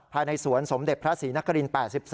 ภายในสวนสมเด็จพระศรีนคริน๘๒